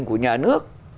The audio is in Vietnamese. của nhà nước